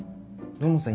土門さん